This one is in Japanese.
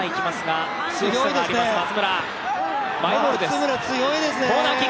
松村、強いですね！